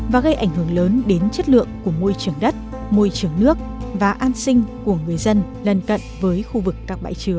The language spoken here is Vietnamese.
và gây ảnh hưởng lớn đến chất lượng của môi trường đất môi trường nước và an sinh của người dân lần cận với khu vực các bãi chứa